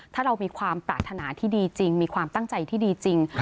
ถ้าเรามีความปรารถนาที่ดีจริงมีความตั้งใจที่ดีจริง